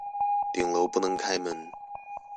頂樓不能開門